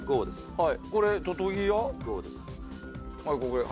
はい。